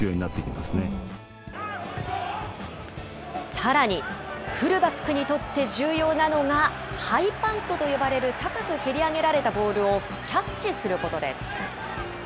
さらに、フルバックにとって重要なのが、ハイパントと呼ばれる高く蹴り上げられたボールをキャッチすることです。